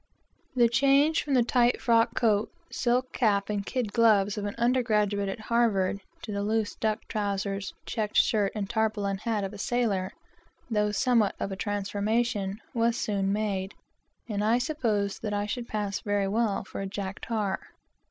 The change from the tight dress coat, silk cap, and kid gloves of an undergraduate at Cambridge, to the loose duck trowsers, checked shirt and tarpaulin hat of a sailor, though somewhat of a transformation, was soon made, and I supposed that I should pass very well for a jack tar.